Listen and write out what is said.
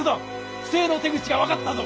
不正の手口が分かったぞ！